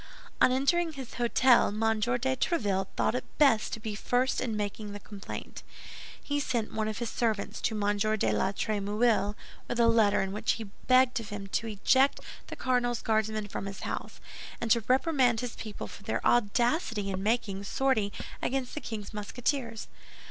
On entering his hôtel, M. de Tréville thought it best to be first in making the complaint. He sent one of his servants to M. de la Trémouille with a letter in which he begged of him to eject the cardinal's Guardsmen from his house, and to reprimand his people for their audacity in making sortie against the king's Musketeers.